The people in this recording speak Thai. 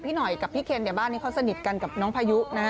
พี่หน่อยกับพี่เค็นเดี๋ยวบ้านนี้เขาสนิทกับน้องพายุ